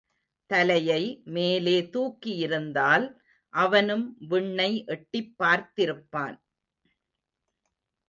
தலையை மேலே தூக்கியிருந்தால் அவனும் விண்ணை எட்டிப்பார்த்திப்பான்.